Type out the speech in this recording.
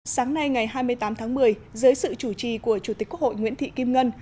sáng nay ngày hai mươi tám tháng một mươi dưới sự chủ trì của chủ tịch quốc hội nguyễn thị kim ngân